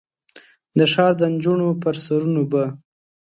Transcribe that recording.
د ښار د نجونو پر سرونو به ،